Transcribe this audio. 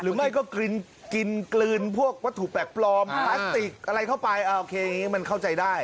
หรือไม่ก็กลืนพวกวัตถุแปลกปลอมพลาสติกอะไรเข้าไปมันเข้าใจได้